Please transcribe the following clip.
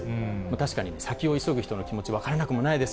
確かにね、先を急ぐ人の気持ち、分からなくもないです。